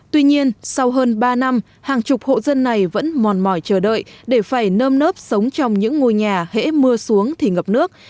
tuy nhiên sau hơn ba năm hàng chục hộ dân này vẫn mòn mỏi chờ đợi để phải nơm nớp sống trong những ngôi nhà hễ mưa xuống thì ngập nước